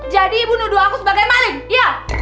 jadi ibu nuduh aku sebagai maling ya